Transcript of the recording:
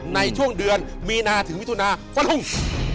ในช่วงเดือนมีนาถึงวิทยาลัยยนต์ฟ้าฮุ่ง